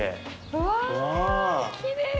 うわきれい。